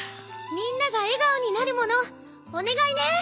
みんなが笑顔になるものお願いね。